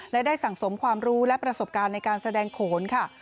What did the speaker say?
และได้สั่งสมความรู้และประสบการณ์ในการแสดงโขนค่ะ